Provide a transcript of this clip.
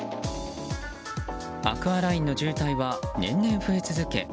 アクアラインの渋滞は年々増え続け